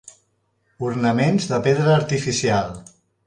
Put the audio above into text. Ornaments de pedra artificial.